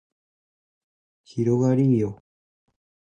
広がりーよ